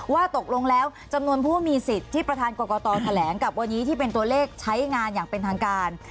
ว่าตกลงแล้วจำนวนผู้มีสิทธิ์ที่ประธานกรกตแถลงกับวันนี้ที่เป็นตัวเลขใช้งานอย่างเป็นทางการ